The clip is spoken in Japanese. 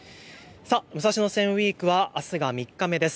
武蔵野線ウイークはあすが３日目です。